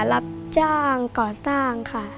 รับจ้างก่อสร้างค่ะ